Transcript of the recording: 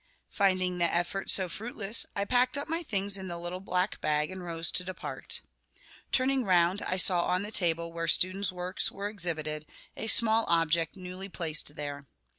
Finding the effort so fruitless, I packed up my things in the little black bag and rose to depart. Turning round, I saw on the table, where students' works were exhibited, a small object newly placed there.